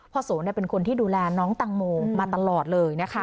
โสเป็นคนที่ดูแลน้องตังโมมาตลอดเลยนะคะ